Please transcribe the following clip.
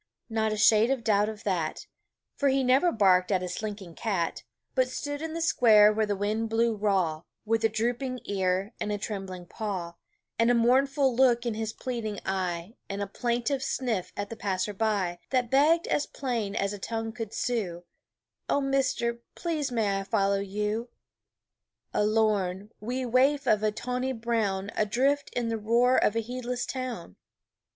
Not a shade of doubt of that; For he never barked at a slinking cat, But stood in the square where the wind blew raw, With a drooping ear, and a trembling paw, And a mournful look in his pleading eye, And a plaintive sniff at the passer by That begged as plain as a tongue could sue, "Oh, Mister, please may I follow you?" A lorn, wee waif of a tawny brown Adrift in the roar of a heedless town.